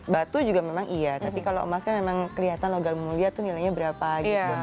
batu juga memang iya tapi kalau emas kan memang kelihatan logal mulia tuh nilainya berapa gitu